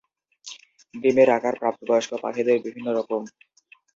ডিমের আকার প্রাপ্তবয়স্ক পাখিদের বিভিন্ন রকম।